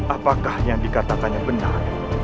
apakah yang dikatakan yang benar